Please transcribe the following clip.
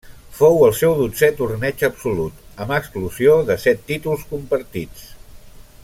Fou el seu dotzè torneig absolut, amb exclusió de set títols compartits.